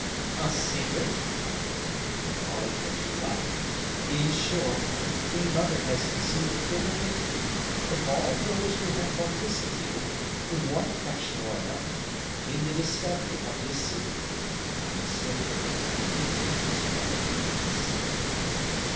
"A secret?" "Call it what you like. In short, the queen mother has conceived a bitter hatred for all those who have participated, in one fashion or another, in the discovery of this secret, and M. Fouquet I believe is one of these."